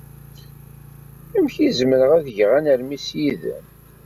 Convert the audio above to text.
Amek ay zemreɣ ad geɣ anermis yid-m?